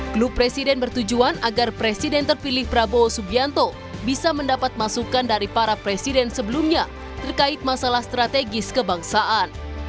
klub presiden bertujuan agar presiden terpilih prabowo subianto bisa mendapat masukan dari para presiden sebelumnya terkait masalah strategis kebangsaan